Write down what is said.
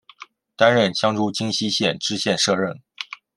担任江苏荆溪县知县摄任。